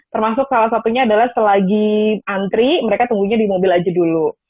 termasuk salah satunya adalah setelah lagi ngantri mereka tunggu di mobil aja dulu